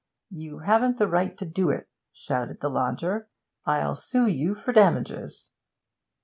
'You haven't the right to do it,' shouted the lodger. 'I'll sue you for damages.'